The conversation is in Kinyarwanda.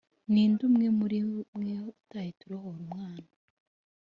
ni nde muri mwe utahita arohora umwana